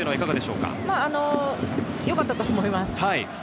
よかったと思います。